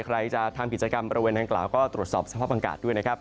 ใครจะทำกิจกรรมบริเวณนางกล่าวก็ตรวจสอบสภาพอากาศด้วยนะครับ